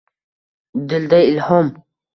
Dilda ilhom